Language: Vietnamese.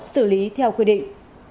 xử lý theo quyết định